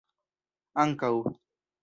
ankaŭ